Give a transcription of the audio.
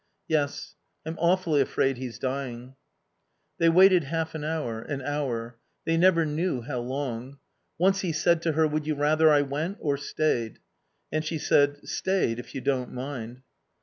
"Yes. I'm awfully afraid he's dying." They waited half an hour, an hour. They never knew how long. Once he said to her, "Would you rather I went or stayed?" And she said, "Stayed, if you don't mind."